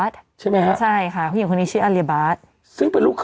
ตอนต่อไป